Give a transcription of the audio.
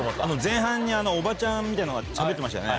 前半におばちゃんみたいなのがしゃべってましたよね。